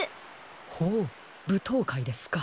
ほうぶとうかいですか。